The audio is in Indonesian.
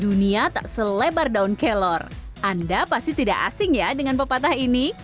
dunia tak selebar daun kelor anda pasti tidak asing ya dengan pepatah ini